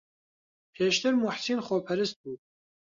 پێشتر موحسین خۆپەرست بوو.